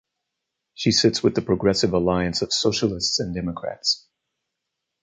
She sits with the Progressive Alliance of Socialists and Democrats.